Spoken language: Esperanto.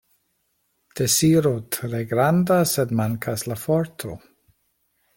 Deziro tre granda, sed mankas la forto.